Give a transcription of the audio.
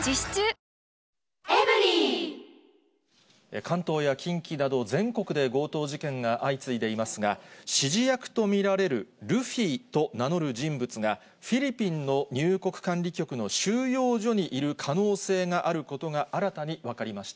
関東や近畿など、全国で強盗事件が相次いでいますが、指示役と見られるルフィと名乗る人物が、フィリピンの入国管理局の収容所にいる可能性があることが、新たに分かりました。